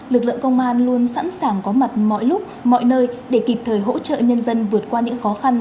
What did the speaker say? lực lượng công an luôn sẵn sàng có mặt mọi lúc mọi nơi để kịp thời hỗ trợ nhân dân vượt qua những khó khăn